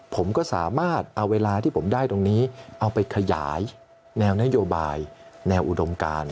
ผมก็สามารถเอาเวลาที่ผมได้ตรงนี้เอาไปขยายแนวนโยบายแนวอุดมการ